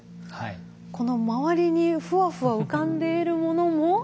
この周りにフワフワ浮かんでいるものも。